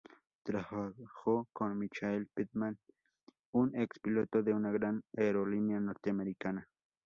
Trabajó con Michael Pitman, un ex piloto de una gran aerolínea norteamericana.